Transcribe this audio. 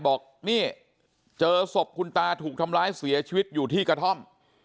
บอกนี่เจอศพคุณตาถูกทำร้ายเสียชีวิตอยู่ที่กระท่อม